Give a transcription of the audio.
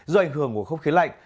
do ảnh hưởng của không khí lạnh